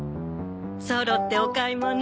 そろってお買い物？